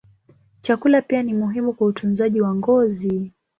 Chakula pia ni muhimu kwa utunzaji wa ngozi.